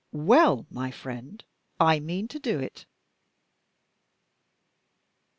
Well, my friend, I mean to do it!"